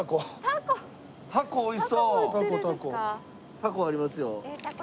タコありますよ。